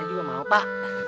eh juga mau pak